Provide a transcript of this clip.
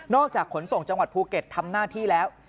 จากขนส่งจังหวัดภูเก็ตทำหน้าที่แล้ว